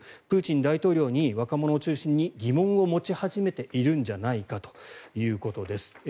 プーチン大統領に若者を中心に疑問を持ち始めているんじゃないかということです。